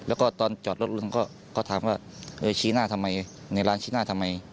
แล้วก็ตอนจอดรถลุงก็ถามว่าเออชี้หน้าทำไมในร้านชี้หน้าทำไม